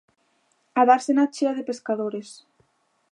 A dársena chea de pescadores.